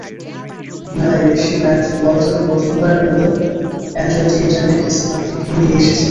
মেলায় দেশি ব্র্যান্ড ওয়ালটন প্রথমবারের মতো অ্যান্ড্রয়েড ইন্টারনেট স্মার্ট টিভি নিয়ে এসেছে।